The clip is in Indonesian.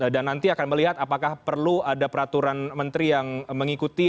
dan nanti akan melihat apakah perlu ada peraturan menteri yang mengikuti